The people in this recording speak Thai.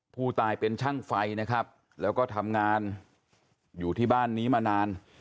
ผู้ตายเป็นช่างไฟนะครับแล้วก็ทำงานอยู่ที่บ้านนี้มานาน